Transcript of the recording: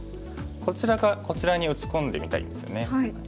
こちらかこちらに打ち込んでみたいんですね。